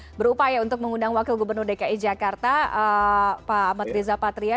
kita berupaya untuk mengundang wakil gubernur dki jakarta pak amat riza patria